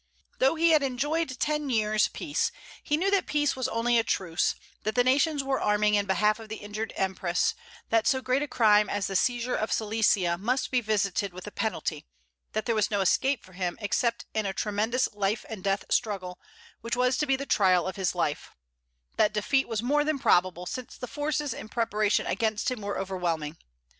Though he had enjoyed ten years' peace, he knew that peace was only a truce; that the nations were arming in behalf of the injured empress; that so great a crime as the seizure of Silesia must be visited with a penalty; that there was no escape for him except in a tremendous life and death struggle, which was to be the trial of his life; that defeat was more than probable, since the forces in preparation against him were overwhelming.